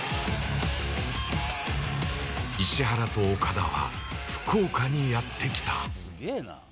石原と岡田は福岡にやってきた。